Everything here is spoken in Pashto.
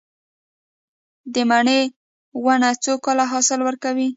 د مڼې ونه څو کاله حاصل ورکوي؟